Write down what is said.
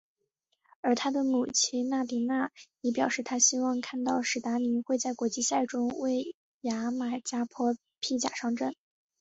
而他的母亲纳迪娜已表示她希望看到史达宁会在国际赛中为牙买加披甲上阵。